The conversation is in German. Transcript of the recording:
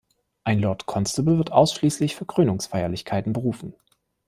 Ein "Lord Constable" wird ausschließlich für Krönungsfeierlichkeiten berufen.